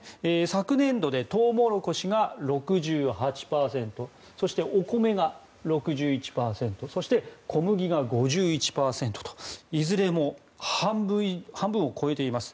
昨年度でトウモロコシが６８％そしてお米が６１％そして、小麦が５１％といずれも半分を超えています。